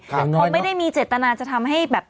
เขาไม่ได้มีเจตนาจะทำให้แบบ